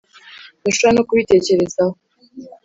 ntushobora no kubitekerezaho